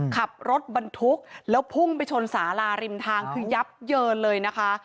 ขับรถบรรทุกแล้วพุ่งไปชนสาราริมทางคือยับเยินเลยนะคะ